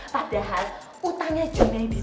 padahal utangnya junaid itu gak sepenuhnya